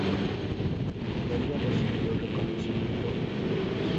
En Italia recibió reconocimiento y premios.